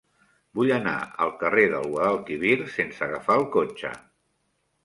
Vull anar al carrer del Guadalquivir sense agafar el cotxe.